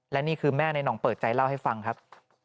และนี่คือแม่ในห่องเปิดใจเล่าให้ฟังครับ